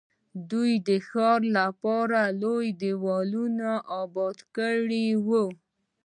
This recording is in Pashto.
دوی د ښارونو لپاره لوی دیوالونه اباد کړي وو.